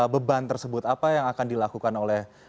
beban tersebut apa yang akan dilakukan oleh